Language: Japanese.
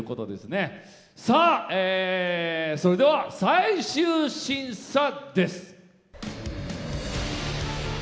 それでは最終審査です。